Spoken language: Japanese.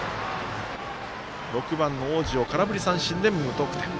６番の大路を空振り三振で無得点。